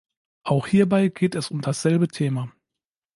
Auch hierbei geht es um dasselbe Thema.